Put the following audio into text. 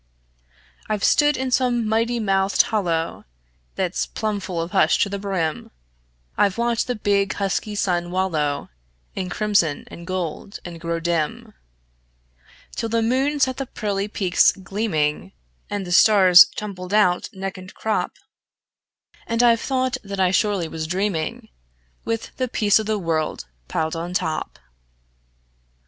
I've stood in some mighty mouthed hollow That's plumb full of hush to the brim; I've watched the big, husky sun wallow In crimson and gold, and grow dim, Till the moon set the pearly peaks gleaming, And the stars tumbled out, neck and crop; And I've thought that I surely was dreaming, With the peace o' the world piled on top.